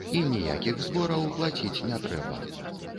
І ніякіх збораў плаціць не трэба.